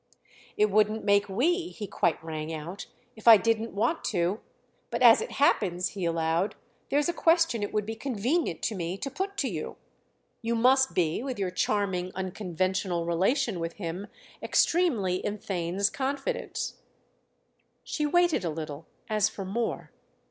"It wouldn't make we," he quite rang out, "if I didn't want to! But as it happens," he allowed, "there's a question it would be convenient to me to put to you. You must be, with your charming unconventional relation with him, extremely in Theign's confidence." She waited a little as for more.